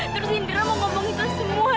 terus indra mau ngomong itu semua